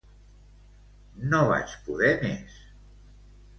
No vaig poder més.